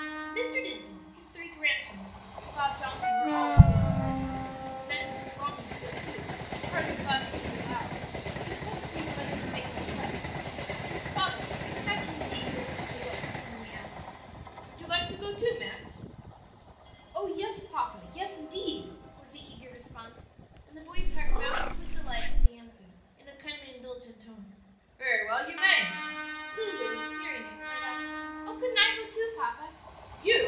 Mr. Dinsmore, his three grandsons, and Bob Johnson were all to be of the party. Max was longing to go too, but hardly thought he would be allowed; he was hesitating whether to make the request when his father, catching his eager, wistful look, suddenly asked, "Would you like to go, Max?" "Oh, yes, papa, yes, indeed!" was the eager response, and the boy's heart bounded with delight at the answer, in a kindly indulgent tone, "Very well, you may." Lulu, hearing it, cried out, "Oh, couldn't I go too, papa?" "You?